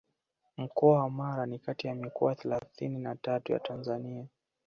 Mkoa wa Mara ni kati ya mikoa thelathini na tatu ya Tanzania